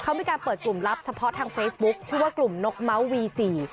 เขามีการเปิดกลุ่มลับเฉพาะทางเฟซบุ๊คชื่อว่ากลุ่มนกเม้าวีสี่